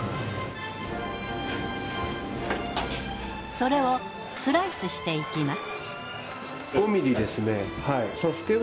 それをスライスしていきます。